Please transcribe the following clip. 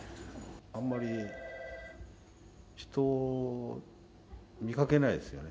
あんまり人を見かけないですよね。